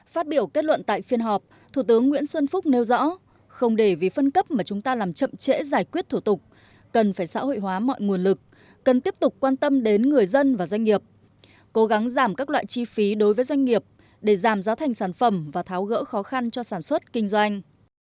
phát biểu kết luận tại phiên họp thủ tướng nguyễn xuân phúc nêu rõ không để vì phân cấp mà chúng ta làm chậm trễ giải quyết thủ tục cần phải xã hội hóa mọi nguồn lực cần tiếp tục quan tâm đến người dân và doanh nghiệp cố gắng giảm các loại chi phí đối với doanh nghiệp để giảm giá thành sản phẩm và tháo gỡ khó khăn cho sản xuất kinh doanh